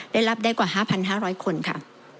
ได้รับได้กว่า๕๕๐๐คนค่ะ